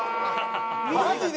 マジで？